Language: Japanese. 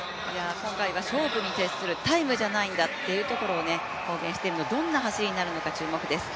今回は勝負に徹する、タイムじゃないんだと公言しているのでどんな走りになるのか注目です。